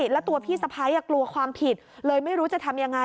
แล้วตัวพี่สะพ้ายกลัวความผิดเลยไม่รู้จะทำยังไง